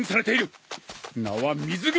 名は水雲！